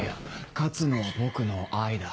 勝つのは僕の愛だ